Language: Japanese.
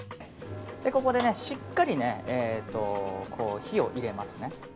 ここでしっかり火を入れます。